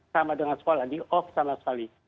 sama dengan sekolah di off sama sekali